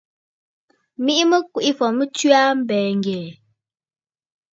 Miʼi mɨ Kweʼefɔ̀ tswe aa a mbɛ̀ɛ̀ ŋ̀gɛ̀ɛ̀.